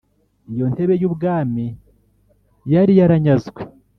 Iyo ntebe y ubwami yari yaranyazwe